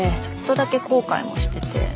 ちょっとだけ後悔もしてて。